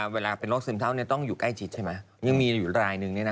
เวลาเป็นโรคซึมเศร้าต้องอยู่ใกล้ชิดใช่ไหมยังมีอยู่รายหนึ่ง